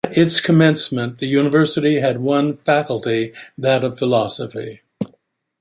At its commencement, the university had one faculty - that of philosophy.